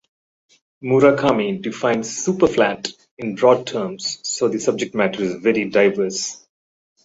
Murakami defines "Superflat" in broad terms, so the subject matter is very diverse.